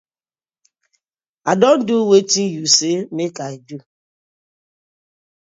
I don do wetin yu say mak I do.